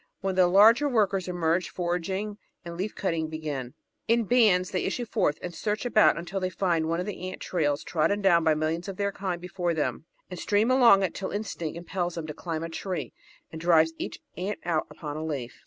When the larger workers emerge, foraging and leaf cutting begin. In bands they issue forth and search about until they find one of the ant trails trodden down by millions of their kind before them, and stream along it till instinct impels them to climb a tree and drives each ant out upon a leaf.